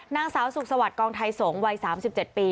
นางสาวศุกร์สวัดกองไททสงฆ์วัย๓๗ปี